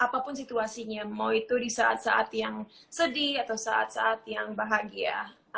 apapun situasinya mau itu gesi desa setian sedih yang bahagia